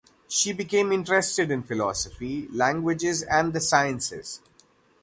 She became interested in philosophy, languages and the sciences.